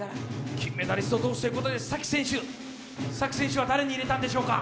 金メダリスト同士ということで須崎選手は誰に入れたんでしょうか。